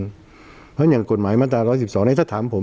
เพราะฉะนั้นอย่างกฎหมายมาตรา๑๑๒ถ้าถามผม